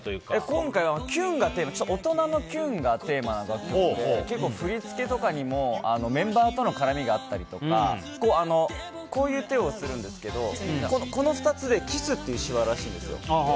今回は大人のキュンがテーマな楽曲で結構、振り付けとかにもメンバーとの絡みがあったりとかこういう手をするんですけどこの２つでキスっていう手話らしいんですよ。